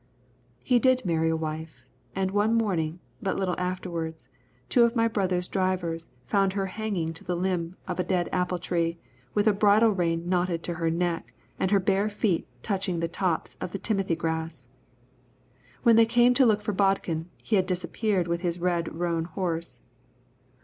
He did marry a wife, and one morning, but little afterwards, two of my brother's drivers found her hanging to the limb of a dead apple tree with a bridle rein knotted to her neck, and her bare feet touching the tops of the timothy grass. When they came to look for Bodkin, he had disappeared with his red roan horse.